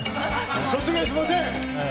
卒業しません！